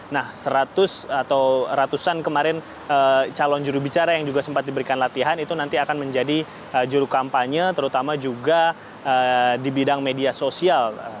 nah seratus atau ratusan kemarin calon jurubicara yang juga sempat diberikan latihan itu nanti akan menjadi juru kampanye terutama juga di bidang media sosial